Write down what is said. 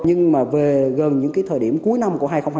nhưng mà về gần những thời điểm cuối năm của hai nghìn hai mươi